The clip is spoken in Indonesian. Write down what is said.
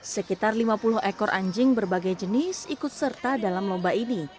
sekitar lima puluh ekor anjing berbagai jenis ikut serta dalam lomba ini